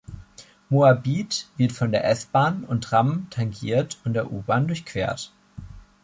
Moabit wird von der S-Bahn und Tram tangiert und der U-Bahn durchquert.